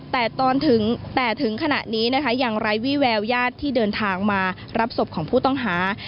แต่ตอนถึงแต่ถึงขณะนี้นะคะยังไร้วิแววญาติที่เดินทางมารับศพของผู้ต้องหา